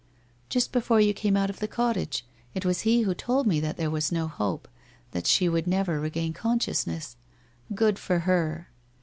' Just before you came out of the cottage. It was he who told me that there was no hope, that she would never regain consciousness. Good for her